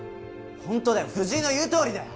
ホントだよ藤井の言うとおりだよ